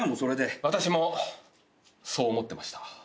私もそう思ってました。